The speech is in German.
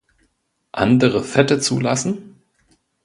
Andere Fette zulassen?